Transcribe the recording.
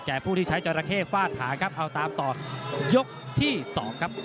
ผู้ที่ใช้จราเข้ฟาดหาครับเอาตามต่อยกที่๒ครับ